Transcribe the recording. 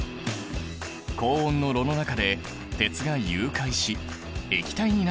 高温の炉の中で鉄が融解し液体になっている。